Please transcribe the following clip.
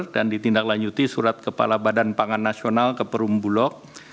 dan ditindaklanjuti surat kepala badan pangan nasional ke perumbu lok